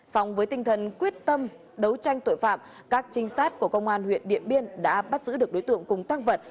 sống với tinh thần quyết tâm đấu tranh tội phạm các trinh sát của công an huyện điện biên đã bắt giữ được đối tượng cùng tăng vật